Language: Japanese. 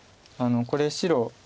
これ白。